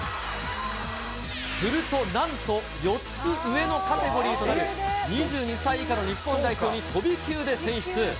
するとなんと、４つ上のカテゴリーとなる２２歳以下の日本代表に飛び級で選出。